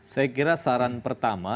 saya kira saran pertama